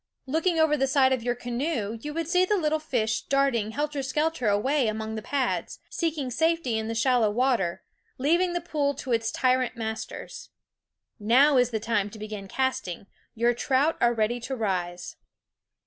Looking over the side of your canoe you would see the little fish darting helter skelter away among the pads, seeking safety in shallow water, leaving the pool to its tyrant masters. Now is the time to begin casting; your trout are ready to rise.